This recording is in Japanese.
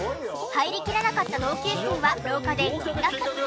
入りきらなかった同級生は廊下で見学。